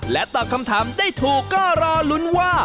ตอบคำถามได้ถูกก็รอลุ้นว่า